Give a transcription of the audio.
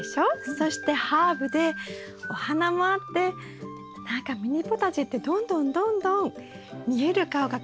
そしてハーブでお花もあって何かミニポタジェってどんどんどんどん見える顔が変わってきて楽しいですね。